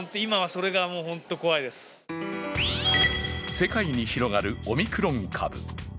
世界に広がるオミクロン株。